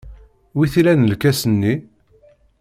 Wi t-ilan lkas-nni?